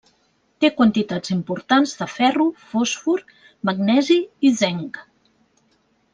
Té quantitats importants de ferro, fòsfor, magnesi i zenc.